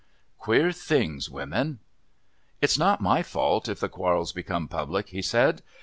Queer things, women! "It's not my fault if the quarrel's become public," he said.